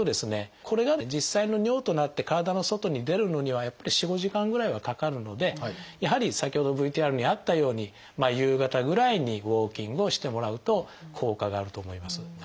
これが実際の尿となって体の外に出るのには４５時間ぐらいはかかるのでやはり先ほどＶＴＲにあったように夕方ぐらいにウォーキングをしてもらうと効果があると思います。